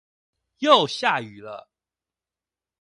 又下雨了！